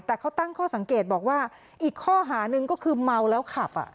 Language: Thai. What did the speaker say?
แต่เขาตั้งข้อสังเกตบอกว่าอีกข้อหานึงก็คือเมาแล้วขับ